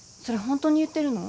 本当に言ってるの？